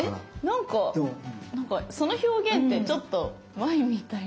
なんかその表現ってちょっとワインみたいな。